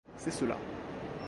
C'est cela.